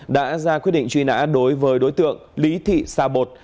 đã ra quyết định truy nã đối với đối tượng lý thị sa bột